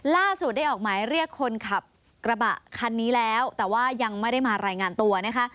ล่าสุดได้ออกหมายเรียกคนขับกระบะคันนี้แล้วแต่ว่ายังไม่ได้มารายงานตัวนะคะ